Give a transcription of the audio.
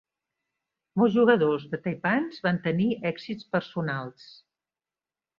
Molts jugadors del Taipans van tenir èxits personals.